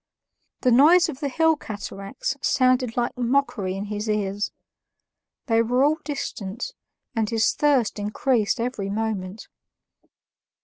The noise of the hill cataracts sounded like mockery in his ears; they were all distant, and his thirst increased every moment.